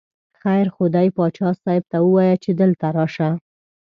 خیر خو دی، باچا صاحب ته ووایه چې دلته راشه.